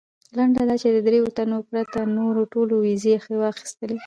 لنډه دا چې د درېیو تنو پرته نورو ټولو ویزې واخیستلې.